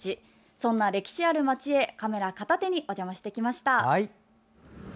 そんな歴史ある町へカメラ片手にお邪魔してきました！